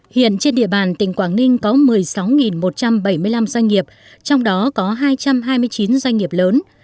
hiện trên địa bàn tỉnh quảng ninh có một mươi sáu một trăm bảy mươi năm doanh nghiệp trong đó có hai trăm hai mươi chín doanh nghiệp lớn